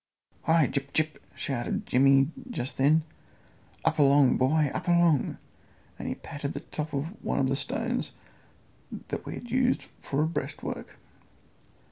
"Hi! Gyp, Gyp!" shouted Jimmy just then; "up along, boy; up along!" and he patted the top of one of the stones that we had used for a breastwork.